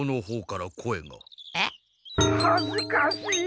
はずかしい！